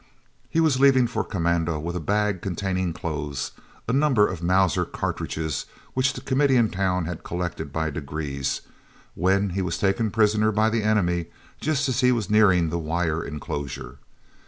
He was leaving for commando with a bag containing clothes, a number of Mauser cartridges which the Committee in town had collected by degrees, when he was taken prisoner by the enemy just as he was nearing the wire enclosure.